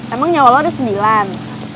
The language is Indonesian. emang nyawa lo udah sembilan